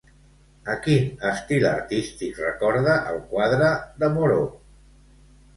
A quin estil artístic recorda el quadre de Moreau?